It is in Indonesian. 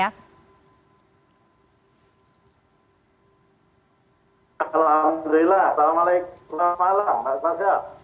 alhamdulillah selamat malam pak arsul